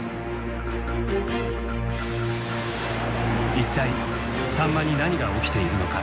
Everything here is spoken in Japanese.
一体サンマに何が起きているのか。